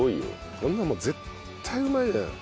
こんなの絶対うまいじゃん。